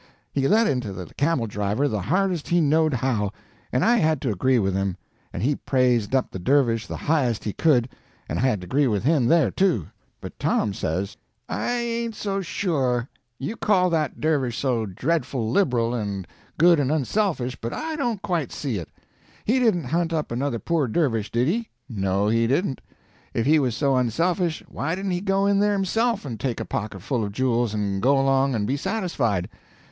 He let into the camel driver the hardest he knowed how, and I had to agree with him; and he praised up the dervish the highest he could, and I had to agree with him there, too. But Tom says: "I ain't so sure. You call that dervish so dreadful liberal and good and unselfish, but I don't quite see it. He didn't hunt up another poor dervish, did he? No, he didn't. If he was so unselfish, why didn't he go in there himself and take a pocketful of jewels and go along and be satisfied?